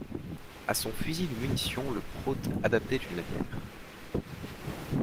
A son fusil de munition le prote adaptait une lanière.